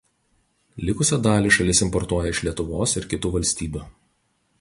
Likusią dalį šalis importuoja iš Lietuvos ir kitų valstybių.